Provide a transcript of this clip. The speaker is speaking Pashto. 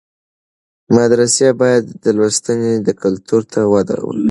مدرسې باید د لوستنې کلتور ته وده ورکړي.